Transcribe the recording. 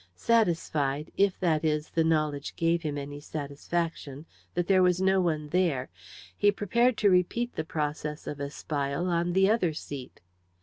Satisfied if, that is, the knowledge gave him any satisfaction! that there was no one there, he prepared to repeat the process of espial on the other seat.